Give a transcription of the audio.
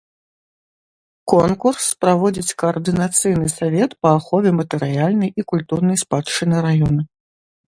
Конкурс праводзіць каардынацыйны савет па ахове матэрыяльнай і культурнай спадчыны раёна.